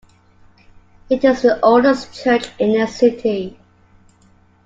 It is the oldest church in the city.